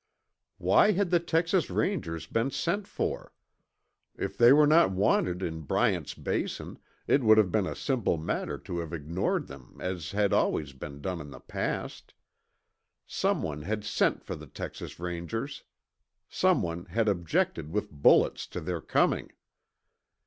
Why had the Texas Rangers been sent for? If they were not wanted in Bryant's Basin, it would have been a simple matter to have ignored them as had always been done in the past. Someone had sent for the Texas Rangers. Someone had objected with bullets to their coming.